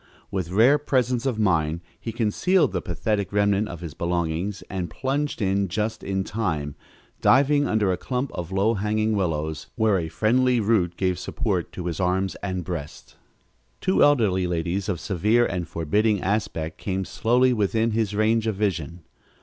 With rare presence of mind he concealed the pathetic remnant of his belongings and plunged just in time, diving under a clump of low hanging willows where a friendly root gave support to his arms and breast. Two elderly ladies of severe and forbidding aspect came slowly within his range of vision.